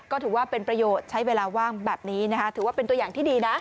ก็ถือว่าเป็นประโยชน์ใช้เวลาว่างแบบนี้นะคะถือว่าเป็นตัวอย่างที่ดีนะ